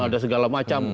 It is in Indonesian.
ada segala macam